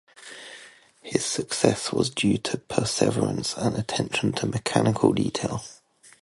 His success was due to perseverance and attention to mechanical detail.